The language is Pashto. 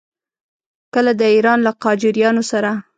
کله د ایران له قاجاریانو سره.